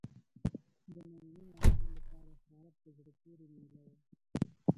د ننني ماښام لپاره خورا په زړه پورې مېله وه.